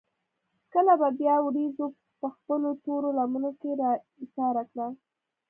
کله به بيا وريځو پۀ خپلو تورو لمنو کښې را ايساره کړه ـ